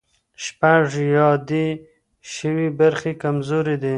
شپږ یادې شوې برخې کمزوري دي.